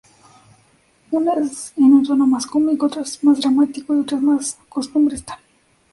Unas en un tono más cómico, otras más dramático y otras más costumbrista.